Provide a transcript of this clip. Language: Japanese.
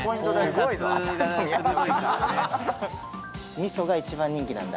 みそが一番人気なんだ